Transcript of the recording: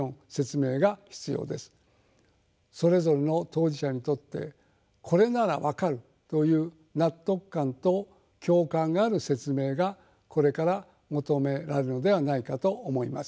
それぞれの当事者にとって「これなら分かる」という納得感と共感がある説明がこれから求められるのではないかと思います。